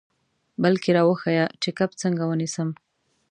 بلکې را وښیه چې کب څنګه ونیسم.